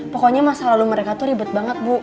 pokoknya masa lalu mereka tuh ribet banget bu